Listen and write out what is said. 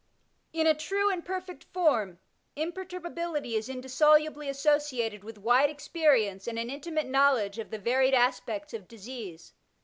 In a true and perfect form, imperturbability is indissolubly associated with wide experience and an intimate knowledge of the varied aspects of disease.